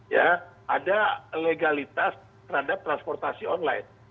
ya ada legalitas terhadap transportasi online